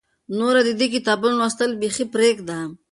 نور د دې کتابونو لوستل بیخي پرېږده.